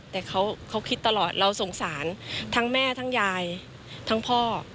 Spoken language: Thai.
แต่เขาคิดตลอดเราสงสารทั้งแม่ทั้งยายทั้งพ่อ